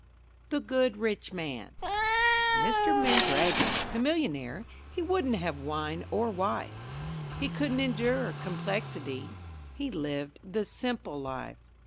The Good Rich Man Mr. Mandragon, the Millionaire, he wouldn't have wine or wife, He couldn't endure complexity: he lived the Simple Life.